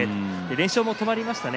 連勝も止まりましたね